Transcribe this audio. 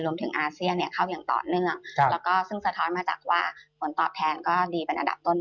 รวมถึงอาเซียเข้าอย่างต่อเนื่องซึ่งสะท้อนมาจากว่าผลตอบแทนก็ดีเป็นระดับต้น